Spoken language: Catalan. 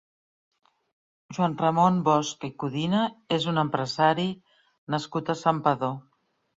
Josep Ramon Bosch i Codina és un empresari nascut a Santpedor.